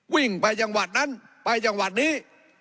วิ่งไปจังหวัดนั้นไปจังหวัดนี้